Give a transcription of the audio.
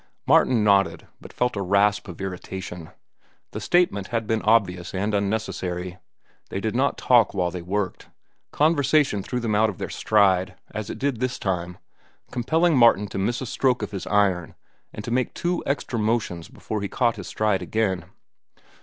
Martin nodded, but felt a rasp of irritation. The statement had been obvious and unnecessary. They did not talk while they worked. Conversation threw them out of their stride, as it did this time, compelling Martin to miss a stroke of his iron and to make two extra motions before he caught his stride again.